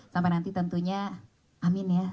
sampai nanti tentunya amin ya